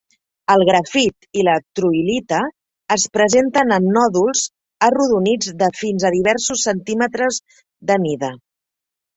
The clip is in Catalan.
El grafit i la troilita es presenten en nòduls arrodonits de fins a diversos centímetres de mida.